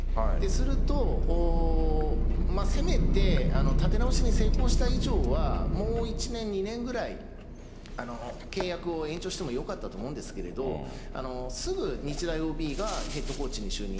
すると、せめて立て直しに成功した以上は、もう１年、２年くらい契約を延長してもよかったと思うんですけど、すぐ日大ＯＢがヘッドコーチに就任。